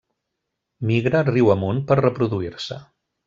Migra riu amunt per reproduir-se.